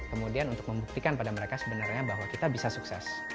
kemudian untuk membuktikan pada mereka sebenarnya bahwa kita bisa sukses